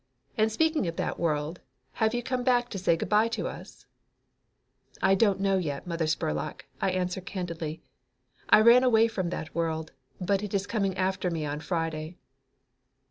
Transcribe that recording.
And speaking of that world, have you come back to say good bye to us?" "I don't know yet, Mother Spurlock," I answered her candidly. "I ran away from that world, but it is coming after me on Friday."